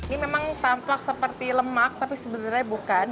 ini memang tampak seperti lemak tapi sebenarnya bukan